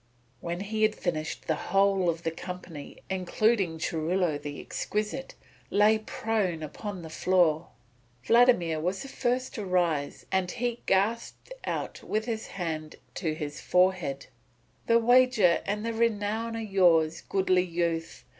When he had finished the whole of the company, including Churilo the Exquisite, lay prone upon the floor. Vladimir was the first to rise, and he gasped out with his hand to his forehead: "The wager and the renown are yours, goodly youth.